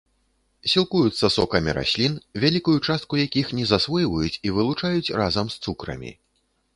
Сілкуюцца сокамі раслін, вялікую частку якіх не засвойваюць і вылучаюць разам з цукрамі.